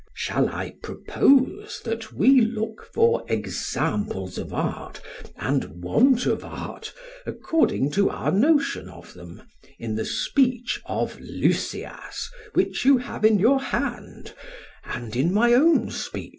SOCRATES: Shall I propose that we look for examples of art and want of art, according to our notion of them, in the speech of Lysias which you have in your hand, and in my own speech?